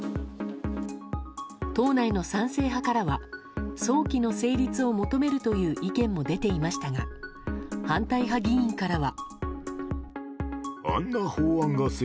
党内の賛成派からは早期の成立を求めるという意見も出ていましたが反対派議員からは。